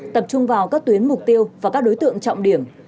tập trung vào các tuyến mục tiêu và các đối tượng trọng điểm